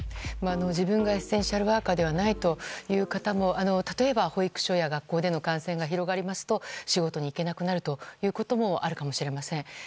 自分がエッセンシャルワーカーではないという方も例えば、保育所や学校での感染が広がりますと仕事に行けなくなることもあるかもしれません。